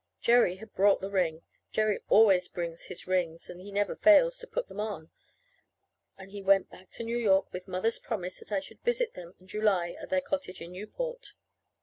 Jerry had brought the ring. (Jerry always brings his "rings" and he never fails to "put them on.") And he went back to New York with Mother's promise that I should visit them in July at their cottage in Newport.